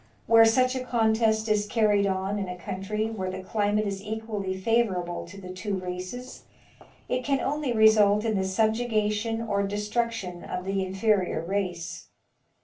Where such a contest is carried on in a country where the climate is equally favorable to the two races, it can only result in the subjugation or destruction of the inferior race.